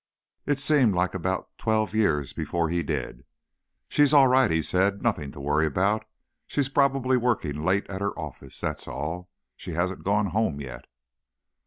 It seemed like about twelve years before he did. "She's all right," he said. "Nothing to worry about; she's probably working late at her office, that's all. She hasn't gone home yet."